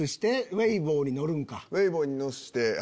ウェイボーに載せて。